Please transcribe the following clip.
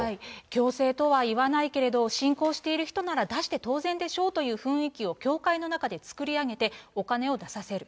強制とは言わないけど、信仰している人なら出して当然でしょうという雰囲気を教会の中で作り上げて、お金を出させる。